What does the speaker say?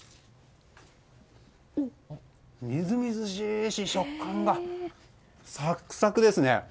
みずみずしいし、食感がサクサクですね。